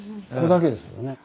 これだけですよね。